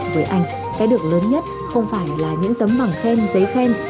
với anh cái được lớn nhất không phải là những tấm bằng khen giấy khen